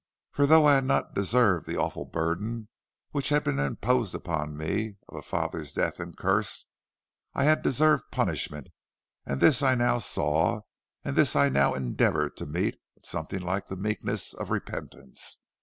For though I had not deserved the awful burden which had been imposed upon me of a father's death and curse, I had deserved punishment, and this I now saw, and this I now endeavored to meet, with something like the meekness of repentance.